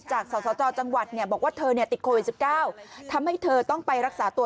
จากสาวเจ้าจังหวัดบอกว่าเธอติดโควิด๑๙ทำให้เธอต้องไปรักษาตัว